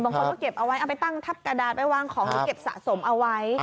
บางคนก็เก็บเอาไว้เอาไปตั้งทับกระดาษไปวางของหรือเก็บสะสมเอาไว้